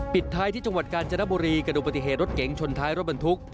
ปิดท้ายที่จังหวัดกาญจนบุรีกระดูกปฏิเหตุรถเก๋งชนท้ายรถบรรทุก